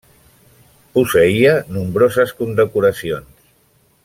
Posseïa nombroses condecoracions.